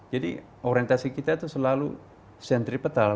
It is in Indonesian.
jadi orientasi kita itu selalu sentripetal